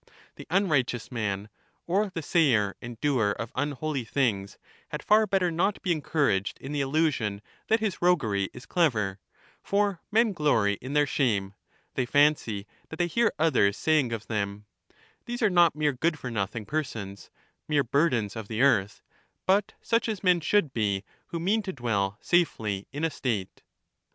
The unrighteous man, or the sayer and doer of unholy things, had far better not be encouraged in the illusion that his roguery is clever ; for men glory in their shame — they fancy that they hear others saying of them, ' These are not mere good for nothing persons, mere burdens of the earth, but such as men should be who mean to dwell safely in a state.'